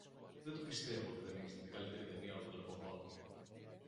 Δεν το πιστεύω ότι δεν έχεις δει την καλύτερη ταινία όλων των εποχών.